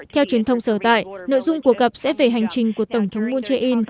theo truyền thông sở tại nội dung cuộc gặp sẽ về hành trình của tổng thống moon jae in